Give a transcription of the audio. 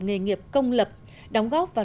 nghề nghiệp công lập đóng góp vào